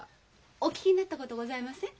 お聞きになったことございません？